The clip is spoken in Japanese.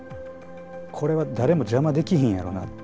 これは誰も邪魔できひんやろな。